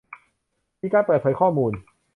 มีการเปิดเผยข้อมูล